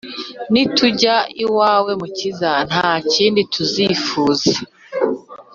Nitujya iwawe mukiza ntakindi tuzifuza